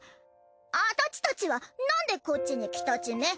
あたちたちはなんでこっちに来たチム？